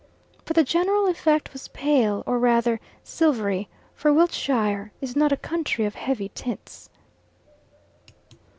But the general effect was pale, or rather silvery, for Wiltshire is not a county of heavy tints.